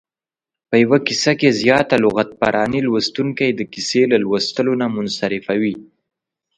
په یوه کیسه کې زیاته لغت پراني لوستونکی د کیسې له لوستلو نه منصرفوي.